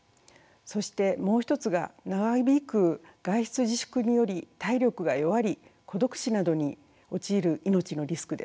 そしてもう一つが長引く外出自粛により体力が弱り孤独死などに陥る命のリスクです。